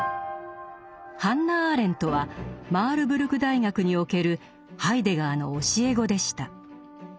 ハンナ・アーレントはマールブルク大学におけるハイデガーの教え子でした。